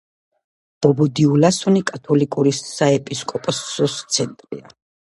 ბობო-დიულასო კათოლიკური საეპისკოპოსოს ცენტრია.